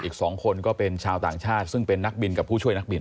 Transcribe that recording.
อีก๒คนก็เป็นชาวต่างชาติซึ่งเป็นนักบินกับผู้ช่วยนักบิน